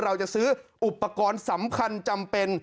เราจะซื้ออุปกรณ์สำคัญจำเป็น